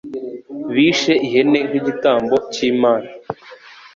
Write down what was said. Bishe ihene nkigitambo cyimana.